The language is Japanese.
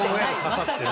まさかの。